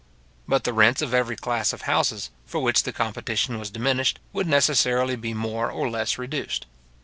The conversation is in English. But the rents of every class of houses for which the competition was diminished, would necessarily be more or less reduced.